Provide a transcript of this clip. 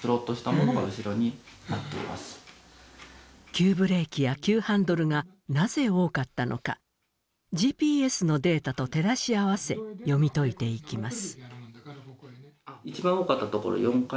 急ブレーキや急ハンドルがなぜ多かったのかＧＰＳのデータと照らし合わせ読み解いていきます。